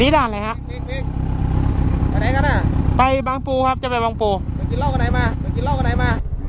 อรัฐประจำ